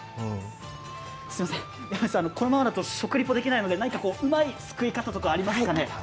すいません、このままだと食リポができないので何かうまいすくい方とかありますかね？